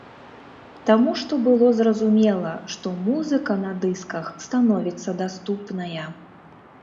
Таму што было зразумела, што музыка на дысках становіцца даступная.